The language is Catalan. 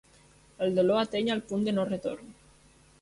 El dolor ateny el punt de no retorn.